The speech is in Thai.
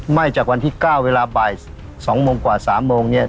ไหม้จากวันที่๙เวลาบ่าย๒โมงกว่า๓โมงเนี่ย